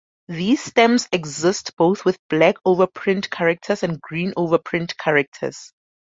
These stamps exist both with black overprinted characters and green overprinted characters.